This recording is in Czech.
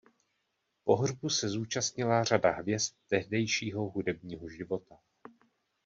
Pohřbu se zúčastnila řada hvězd tehdejšího hudebního života.